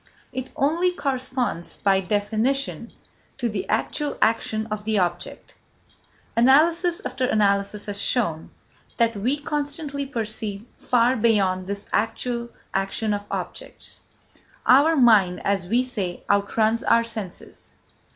It only corresponds, by definition, to the actual action of the object. Analysis after analysis has shown that we constantly perceive far beyond this actual action of objects. Our mind, as we say, outruns our senses.